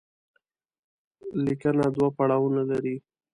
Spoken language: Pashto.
ليکنه دوه پړاوونه لري.